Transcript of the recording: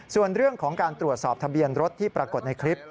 ส่วนเรื่องของการตรวจสอบทะเบียนรถที่ปรากฏในคลิป